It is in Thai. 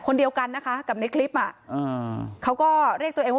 คนเดียวกันนะคะกับในคลิปอ่ะอ่าเขาก็เรียกตัวเองว่า